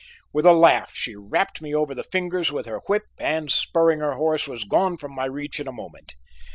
With a laugh she rapped me over the fingers with her whip and, spurring her horse, was gone from my reach in a moment.